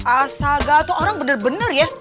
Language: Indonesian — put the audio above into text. asal gatal orang bener bener ya